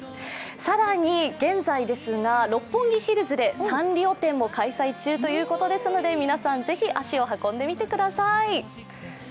更に現在、六本木ヒルズでサンリオ展を開催中ということですので、皆さん、ぜひ足を運んでみてください。